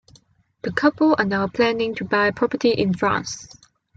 The couple are now planning to buy property in France.